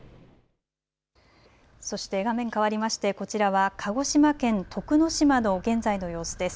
そして画面変わりましてこちらは鹿児島県徳之島の現在の様子です。